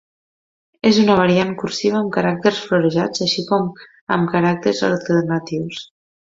És una variant cursiva amb caràcters florejats així com amb caràcters alternatius.